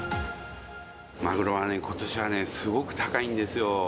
マグロはね、ことしはね、すごく高いんですよ。